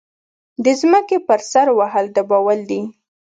د ځمکې پر سر وهل ډبول دي.